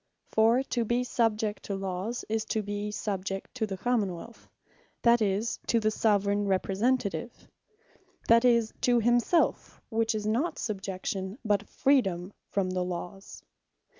For to be subject to Lawes, is to be subject to the Common wealth, that is to the Soveraign Representative, that is to himselfe; which is not subjection, but freedome from the Lawes.